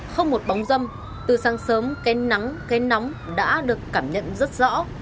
không một bóng dâm từ sáng sớm cây nắng cây nóng đã được cảm nhận rất rõ